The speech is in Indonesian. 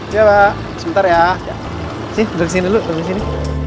coba sebentar ya sih beresin dulu ke sini